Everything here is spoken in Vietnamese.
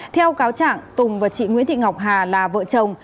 theo cáo trạng tùng và chị nguyễn thị ngọc hà là vợ chồng